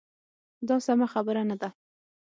دا سمه خبره نه ده.